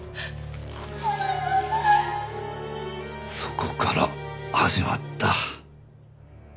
そこから始まった？